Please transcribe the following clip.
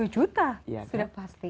dua puluh juta sudah pasti